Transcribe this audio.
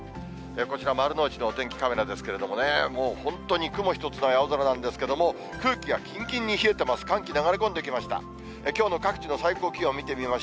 こちら、丸の内のお天気カメラですけれども、もう本当に雲一つない青空なんですけども、空気がきんきんに冷えてます。